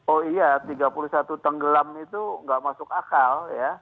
oh iya tiga puluh satu tenggelam itu nggak masuk akal ya